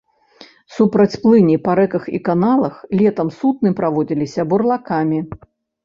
Супраць плыні па рэках і каналах летам судны праводзіліся бурлакамі.